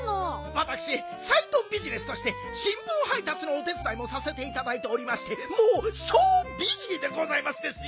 わたくしサイドビジネスとしてしんぶんはいたつのお手つだいもさせていただいておりましてもうソービジーでございますですよはい。